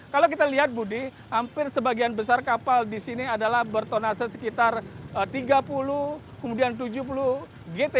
kalau kita lihat budi hampir sebagian besar kapal di sini adalah bertonase sekitar tiga puluh kemudian tujuh puluh gt